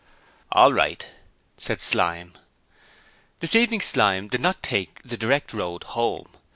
'All right,' replied Slyme. This evening Slyme did not take the direct road home.